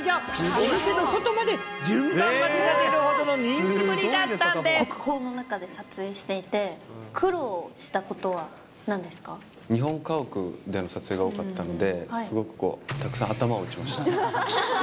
お店の外まで順番待ちが出るほどの人気ぶりだ国宝の中で撮影していて、日本家屋での撮影が多かったので、すごくたくさん頭を打ちました。